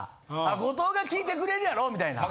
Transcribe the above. あ後藤が聞いてくれるやろうみたいな。